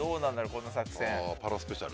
この作戦。